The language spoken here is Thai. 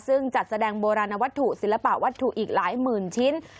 ซึ่งจัดแสดงโบราณวัตถุศิลปะวัตถุอีกหลายหมื่นชิ้น